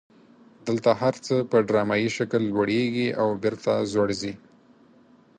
دلته هر څه په ډرامایي شکل لوړیږي او بیرته ځوړ خي.